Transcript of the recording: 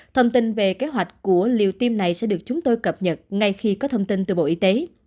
thông tin về kế hoạch của liều tiêm này sẽ được chúng tôi cập nhật ngay khi có thông tin từ bộ y tế